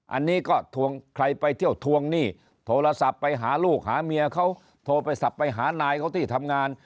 อันนี้ก็ทวงใครไปเที่ยวทวงหนี้โทรศัพท์ไปหาลูกหาเมียเขาโทรไปศัพท์ไปหานายเขาที่ทำงาน